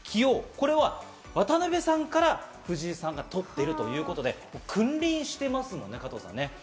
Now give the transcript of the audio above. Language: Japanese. これは渡辺さんから藤井さんが取っているということで、君臨してますので。